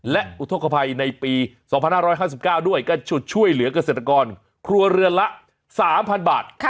และอุทธกภัยในปี๒๕๕๙ด้วยก็ฉุดช่วยเหลือกเกษตรกรครัวเรือนละ๓๐๐๐บาท